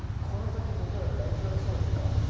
この先僕ら大丈夫そうですか？